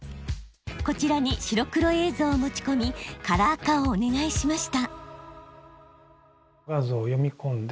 こちらに白黒映像を持ち込みカラー化をお願いしました。